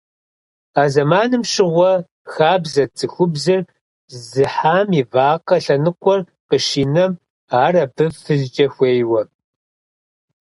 А зэманым щыгъуэ хабзэт цӀыхубзыр зыхьам и вакъэ лъэныкъуэр къыщинэм ар абы фызкӀэ хуейуэ.